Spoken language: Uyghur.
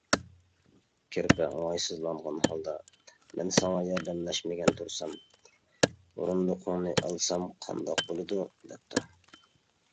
كىرپە ئوڭايسىزلانغان ھالدا: مەن ساڭا ياردەملەشمىگەن تۇرسام، ئورۇندۇقۇڭنى ئالسام قانداق بولىدۇ؟ - دەپتۇ.